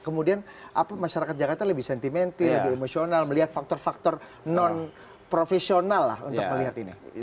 kemudian apa masyarakat jakarta lebih sentimental lebih emosional melihat faktor faktor non profesional lah untuk melihat ini